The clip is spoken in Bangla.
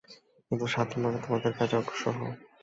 কিন্তু স্বাধীনভাবে তোমাদের কাজে অগ্রসর হও।